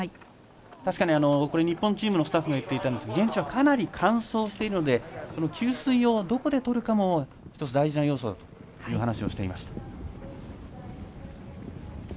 確かに日本チームのスタッフが言っていたんですが現地はかなり乾燥しているので給水をどこで取るかも１つ、大事な要素だと話をしていました。